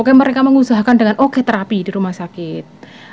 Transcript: makanya mereka mengusahakan dengan oke terapi di rumah sakit